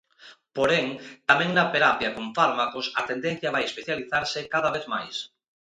Porén, tamén na terapia con fármacos a tendencia vai especializarse cada vez máis.